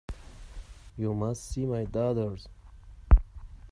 You must see my daughters.